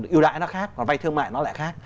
yêu đại nó khác vay thương mại nó lại khác